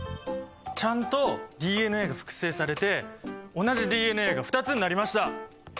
ちゃんとＤＮＡが複製されて同じＤＮＡが２つになりました！